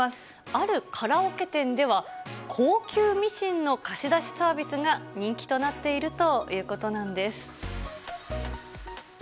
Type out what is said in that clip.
あるカラオケ店では、高級ミシンの貸し出しサービスが人気となっているということなんです。